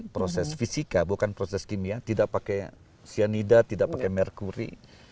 proses fisika bukan proses kimia tidak pakai cyanida tidak pakai merkuri